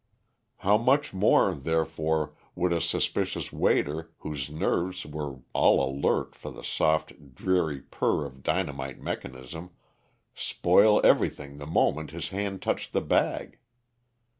How much more, therefore, would a suspicious waiter, whose nerves were all alert for the soft, deadly purr of dynamite mechanism, spoil everything the moment his hand touched the bag?